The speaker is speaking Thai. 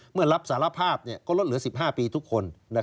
เมื่อรับสารภาพก็ลดเหลือ๑๕ปีทุกคน